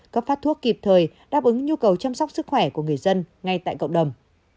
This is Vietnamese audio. cấp phát thuốc kịp thời đáp ứng nhu cầu chăm sóc sức khỏe của người dân ngay tại cộng đồng